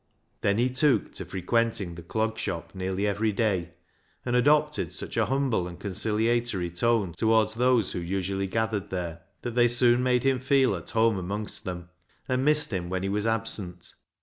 Then he took to frequenting the Clog Shop nearly every day, and adopted such a humble and conciliatory tone towards those who usually gathered there, that they soon made him feel at home amongst them, and missed him when he was absent.